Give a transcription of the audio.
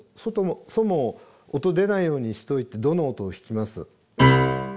ソの音出ないようにしといてドの音を弾きます。